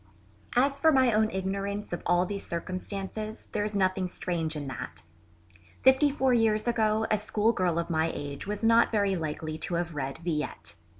As for my own ignorance of all these circumstances there is nothing strange in that. Fifty four years ago a schoolgirl of my age was not very likely to have read Villette.